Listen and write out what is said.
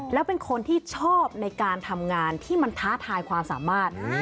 แล้วเป็นคนที่ชอบในการทำงานที่มันท้าทายความสามารถ